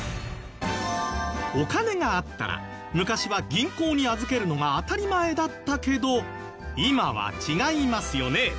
お金があったら昔は銀行に預けるのが当たり前だったけど今は違いますよね。